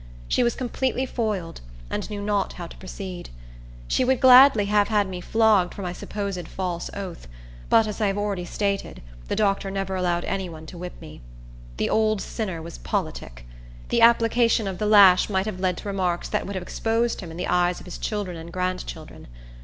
She was completely foiled, and knew not how to proceed. She would gladly have had me flogged for my supposed false oath; but, as I have already stated, the doctor never allowed any one to whip me. The old sinner was politic. The application of the lash might have led to remarks that would have exposed him in the eyes of his children and grandchildren.